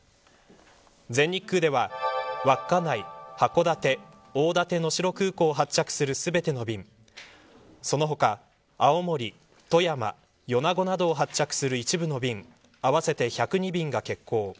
全日空では稚内、函館、大館、能代空港を発着する全ての便その他、青森、富山、米子などを発着する一部の便合わせて１０２便が欠航。